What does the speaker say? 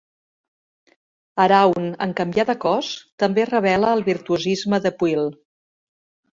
Arawn, en canviar de cos, també revela el virtuosisme de Pwyll.